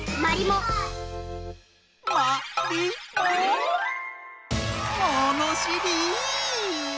ものしり！